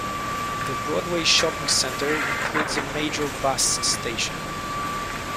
The Broadway Shopping Centre includes a major bus station.